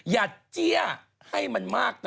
เจี้ยให้มันมากนะ